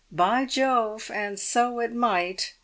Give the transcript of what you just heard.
"By Jove, and so it might!